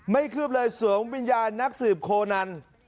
คืบเลยสวมวิญญาณนักสืบโคนัน